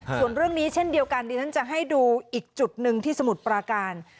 ส่วนเรื่องนี้เช่นเดียวกันดิฉันจะให้ดูอีกจุดหนึ่งที่สมุทรปราการ